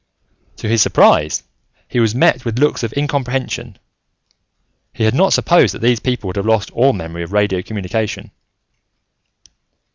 To his surprise, he was met with looks of incomprehension. He had not supposed that these people would have lost all memory of radio communication.